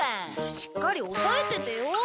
しっかり押さえててよ。